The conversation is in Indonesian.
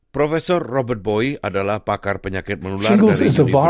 profesor robert boy adalah pakar penyakit melular dari universiti sydney